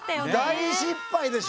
大失敗でしょ？